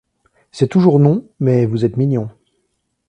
C’est toujours non, mais vous êtes mignons.